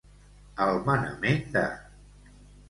Al manament de.